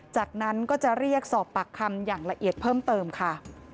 จากนั้นก็จะเรียกสอบปากคำอย่างละเอียดเพิ่มเติมค่ะ